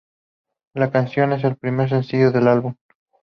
La canción es el primer sencillo del álbum.